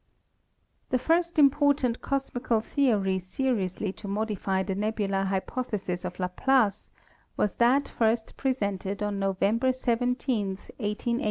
The first important cosmical theory seriously to modify the nebular hypothesis of Laplace was that first presented on November 17, 1887, by Sir Norman Lockyer.